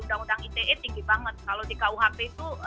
undang undang ite tinggi banget kalau di kuhp itu